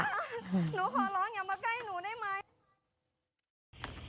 หนูขอร้องอย่ามาใกล้หนูได้ไหม